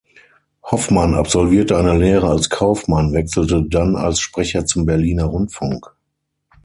Hoffmann absolvierte eine Lehre als Kaufmann, wechselte dann als Sprecher zum Berliner Rundfunk.